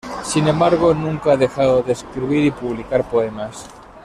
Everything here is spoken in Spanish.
Sin embargo, nunca ha dejado de escribir y publicar poemas.